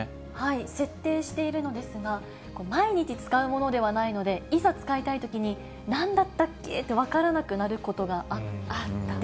設定しているのですが、毎日使うものではないので、いざ使いたいときに、なんだったっけって分からなくなることがあって。